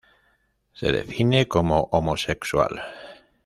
Se define como homosexual.